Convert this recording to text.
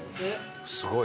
すごい。